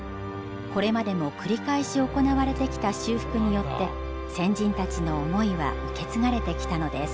これまでも繰り返し行われてきた修復によって先人たちの思いは受け継がれてきたのです。